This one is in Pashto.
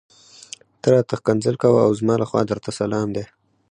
ته راته ښکنځل کوه او زما لخوا درته سلام دی.